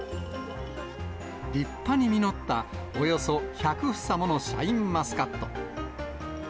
立派に実った、およそ１００房ものシャインマスカット。